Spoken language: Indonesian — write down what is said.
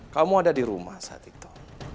kamu ada di rumah saja